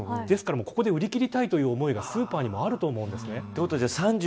ここで売り切りたいという思いがスーパーにもあると思います。